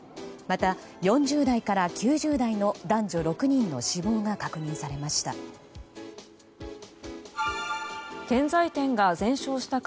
また、４０代から９０代の男女６人の死亡が確認されました。